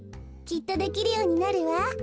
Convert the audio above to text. きっとできるようになるわ。